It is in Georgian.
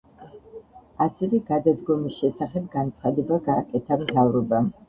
ასევე გადადგომის შესახებ განცხადება გააკეთა მთავრობამ.